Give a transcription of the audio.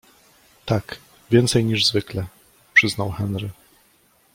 - Tak, więcej niż zwykle - przyznał Henry.